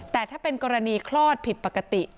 แต่ถ้าเป็นกรณีคลอดผิดปกติ